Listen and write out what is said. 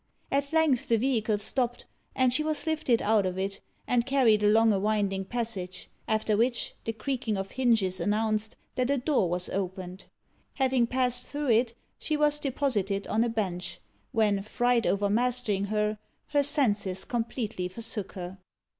At length the vehicle stopped, and she was lifted out of it, and carried along a winding passage; after which, the creaking of hinges announced that a door was opened. Having passed through it, she was deposited on a bench, when, fright overmastering her, her senses completely forsook her.